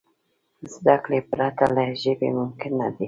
زدهکړې پرته له ژبي ممکن نه دي.